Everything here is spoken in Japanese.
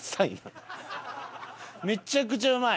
めちゃくちゃうまい。